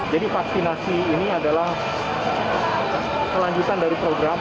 jadi vaksinasi ini adalah kelanjutan dari program